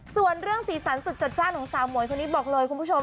ส่วนเรื่องสีสันสุดจัดจ้านของสาวหมวยคนนี้บอกเลยคุณผู้ชม